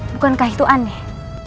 bukankah itu aneh